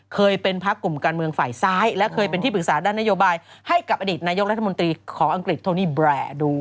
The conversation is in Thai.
เคยเป็นพักกลุ่มการเมืองฝ่ายซ้ายและเคยเป็นที่ปรึกษาด้านนโยบายให้กับอดีตนายกรัฐมนตรีของอังกฤษโทนี่แบรนดู